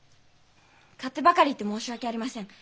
勝手ばかり言って申し訳ありません。